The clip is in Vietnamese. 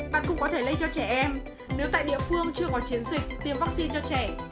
bạn cũng có thể lây cho trẻ em nếu tại địa phương chưa có chiến dịch tiêm vaccine cho trẻ